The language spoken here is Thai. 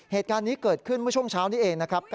เหตุการณ์นี้เกิดขึ้นเมื่อช่วงเช้านี้เองนะครับ